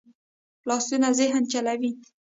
لاسونه ذهن چلوي